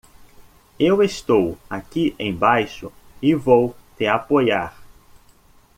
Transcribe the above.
Eu estou aqui embaixo e vou te apoiar.